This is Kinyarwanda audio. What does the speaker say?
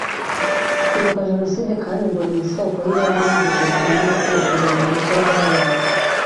Kwibuka jenoside kandi ngo ni isoko y’ibanze y’inyigisho zigamije kubaka u Rwanda rushya rwabaye